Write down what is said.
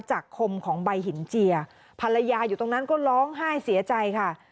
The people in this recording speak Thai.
คมของใบหินเจียภรรยาอยู่ตรงนั้นก็ร้องไห้เสียใจค่ะ